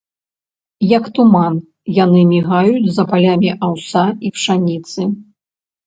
Як туман, яны мігаюць за палямі аўса і пшаніцы.